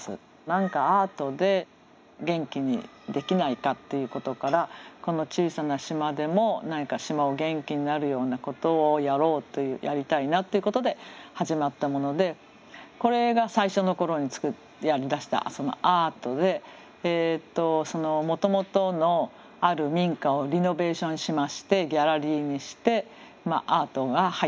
何かアートで元気にできないかっていうことからこの小さな島でも何か島を元気になるようなことをやろうというやりたいなってことで始まったものでこれが最初の頃にやりだしたアートでもともとのある民家をリノベーションしましてギャラリーにしてアートが入ってます。